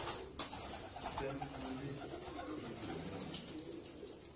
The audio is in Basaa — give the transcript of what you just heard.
Semkôndi i ntôl nyono.